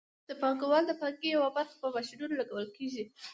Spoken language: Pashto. د پانګوال د پانګې یوه برخه په ماشینونو لګول کېږي